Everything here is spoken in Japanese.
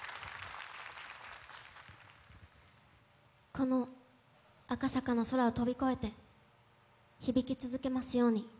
この赤坂の空を飛び越えて響き続けますように。